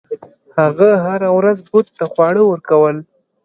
هغه هره ورځ بت ته خواړه ورکول.